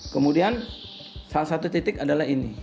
kemudian salah satu titik adalah ini